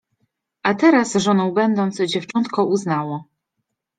A teraz, żoną będąc, dziewczątko uznało